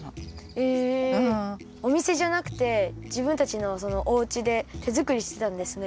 えおみせじゃなくてじぶんたちのおうちで手作りしてたんですね。